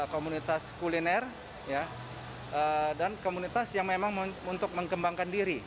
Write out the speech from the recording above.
komunitas kuliner dan komunitas yang memang untuk mengembangkan diri